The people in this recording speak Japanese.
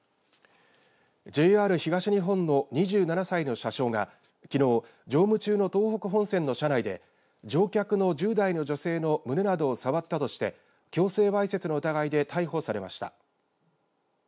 ＪＲ東日本の２７歳の車掌がきのう乗務中の東北本線の車内で乗客の１０代の女性の胸などを触ったとして強制わいせつの疑いで逮捕されました。